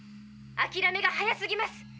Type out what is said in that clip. あきらめが早すぎます！